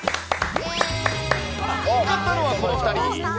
向かったのはこの２人。